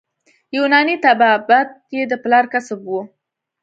یوناني طبابت یې د پلار کسب وو.